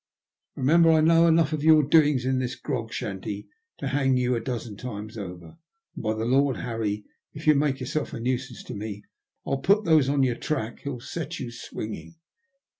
Remember I know enough of your doings in this grog shanty to hang you a dozen times over ; and, by the Lord Harry, if you make yourself a nuisance to me I'll put those on your track who'll set you swinging.